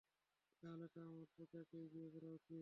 তাহলে তো আমায় পুজাকেই বিয়ে করা উচিত।